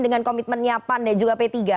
dengan komitmennya pan dan juga p tiga